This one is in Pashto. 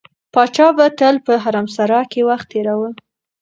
پاچا به تل په حرمسرا کې وخت تېراوه.